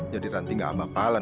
jadi ranti gak apa apa